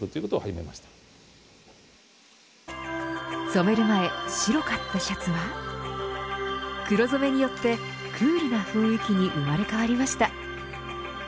染める前、白かったシャツは黒染めによってクールな雰囲気に生まれ変わりました。